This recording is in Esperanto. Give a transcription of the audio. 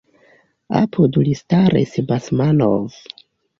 Apud li staris Basmanov.